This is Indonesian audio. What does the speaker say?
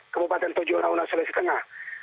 kebupatan tojo rauh nasional selesi tengah